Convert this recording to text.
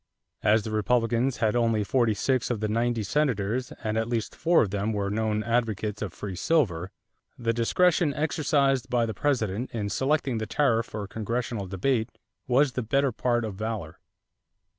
As the Republicans had only forty six of the ninety Senators, and at least four of them were known advocates of free silver, the discretion exercised by the President in selecting the tariff for congressional debate was the better part of valor.